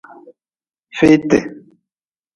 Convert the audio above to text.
Feeti.